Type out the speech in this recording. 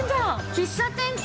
喫茶店か。